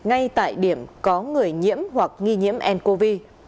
ngay tại điểm có người nhiễm hoặc nghi nhiễm ncov